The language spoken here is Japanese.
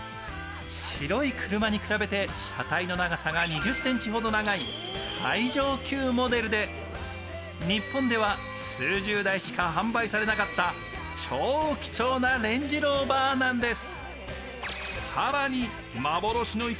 白い車に比べて車体の長さが２０ｃｍほど長い最上級モデルで日本では数十台しか販売されなかった超貴重なレンジローバーなんです。